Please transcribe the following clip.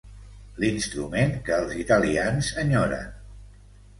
L'instrument que els italians enyoren.